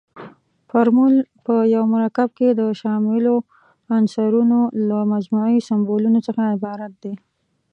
فورمول په یو مرکب کې د شاملو عنصرونو له مجموعي سمبولونو څخه عبارت دی.